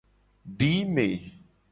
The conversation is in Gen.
Dime.